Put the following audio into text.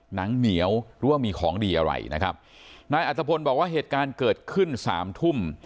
หนังเหนียวหรือว่ามีของดีอะไรนะครับนายอัตภพลบอกว่าเหตุการณ์เกิดขึ้นสามทุ่ม